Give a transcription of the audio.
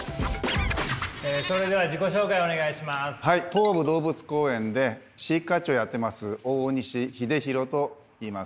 東武動物公園で飼育課長やってます大西秀弘といいます。